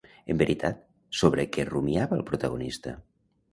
En veritat, sobre què rumiava el protagonista?